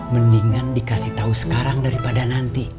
mendingan dikasih tahu sekarang daripada nanti